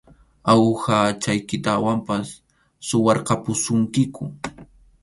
Awuhachaykitawanpas suwarqapusunkiku.